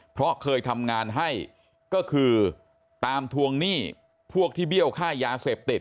เพราะเคยทำงานให้ก็คือตามทวงหนี้พวกที่เบี้ยวค่ายาเสพติด